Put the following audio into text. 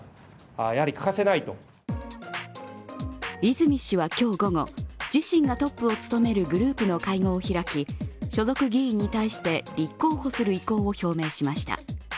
泉氏は今日午後、自身がトップを務めるグループの会合を開き、所属議員に対して立候補する意向を表明しました。